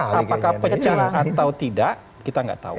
jadi apakah pecah atau tidak kita nggak tahu